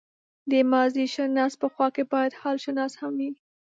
د ماضيشناس په خوا کې بايد حالشناس هم وي.